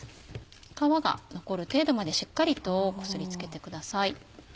皮が残る程度までしっかりとこすりつけてください。